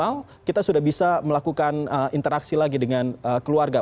wow kita sudah bisa melakukan interaksi lagi dengan keluarga